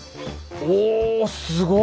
おすごい！